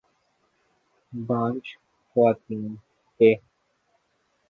بانجھ خواتین کے